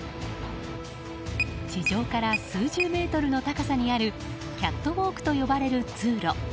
地上から数十メートルの高さにあるキャットウォークと呼ばれる通路。